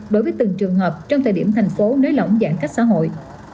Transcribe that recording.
đối với từng trường hợp trong thời điểm thành phố nới lỏng giãn cách xã hội